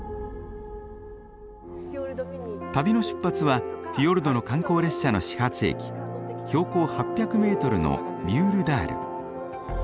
旅の出発はフィヨルドの観光列車の始発駅標高８００メートルのミュールダール。